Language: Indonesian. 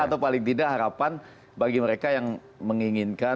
atau paling tidak harapan bagi mereka yang menginginkan di jakarta ini ya